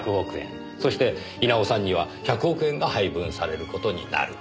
そして稲尾さんには１００億円が配分される事になる。